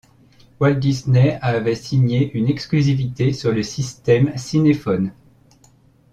Walt Disney avait signé une exclusivité sur le système Cinephone.